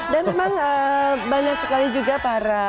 dan memang banyak sekali juga para